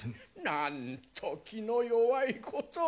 なんと気の弱いことを。